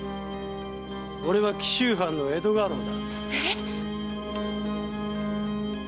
俺は紀州藩の江戸家老だ。